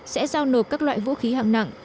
sẽ giao nộp các loại vũ khí hạng nặng